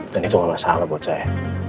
dan itu enggak masalah buat saya